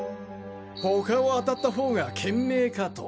他をあたったほうが賢明かと。